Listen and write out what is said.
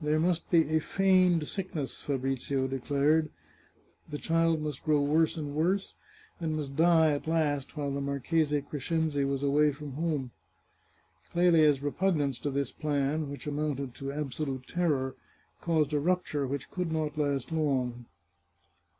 There must be a feigned sickness, Fabrizio declared ; the child must grow worse and worse, and must die, at last, while the Marchese Crescenzi was away from home. Clelia's repugnance to this plan, which amounted to absolute terror, caused a rupture which could not last long.